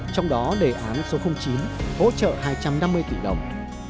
trong đó đề án số chín hỗ trợ hai trăm năm mươi tỷ đồng